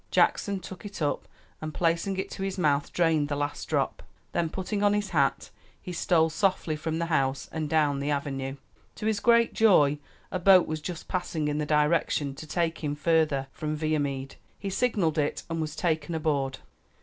Jackson took it up, and placing it to his mouth drained the last drop. Then putting on his hat, he stole softly from the house and down the avenue. To his great joy a boat was just passing in the direction to take him farther from Viamede. He signaled it, and was taken aboard.